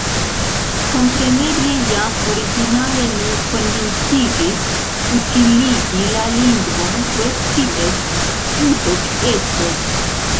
Kompreneble, jam originale mi konvinkiĝis utiligi la lingvon pro ties utopieco.